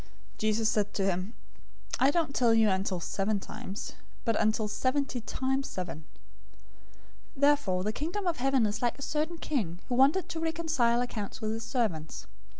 018:022 Jesus said to him, "I don't tell you until seven times, but, until seventy times seven. 018:023 Therefore the Kingdom of Heaven is like a certain king, who wanted to reconcile accounts with his servants.